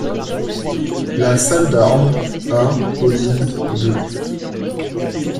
=La Salle d'armes.= un.= Pauline= deux.